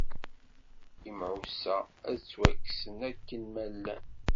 Imɛuṣa ad ttwakksen akken ma llan.